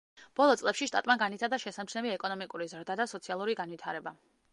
ბოლო წლებში, შტატმა განიცადა შესამჩნევი ეკონომიკური ზრდა და სოციალური განვითარება.